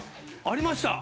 ありました！